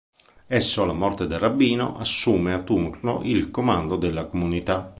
Esso, alla morte del rabbino, assume a suo turno il comando della comunità.